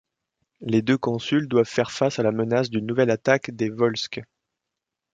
Les deux consuls doivent faire face à la menace d'une nouvelle attaque des Volsques.